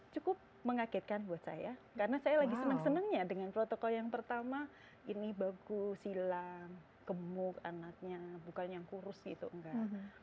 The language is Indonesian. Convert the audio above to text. cukup mengagetkan buat saya karena saya lagi senang senangnya dengan protokol yang pertama ini bagus hilang gemuk anaknya bukan yang kurus gitu enggak